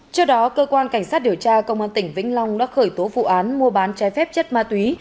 trước đó cơ quan cảnh sát điều tra công an tỉnh vĩnh long đã khởi tố vụ án mua bán trái phép chất ma túy